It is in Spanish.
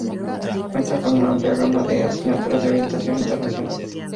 Cuenta con una amplia gama de asignaturas de orientación internacional.